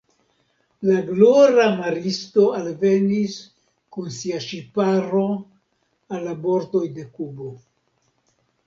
La glora maristo alvenis kun sia ŝiparo al la bordoj de Kubo.